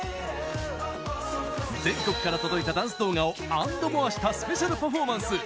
全国から届いたダンス動画をａｎｄｍｏｒｅしたスペシャルパフォーマンス。